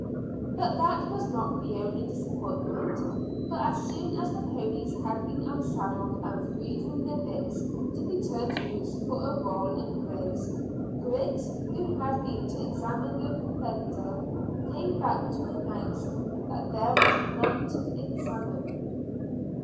But that was not the only disappointment, for as soon as the ponies had been unsaddled and freed from their bits, to be turned loose for a roll and graze, Griggs, who had been to examine the provender, came back to announce that there was none to examine.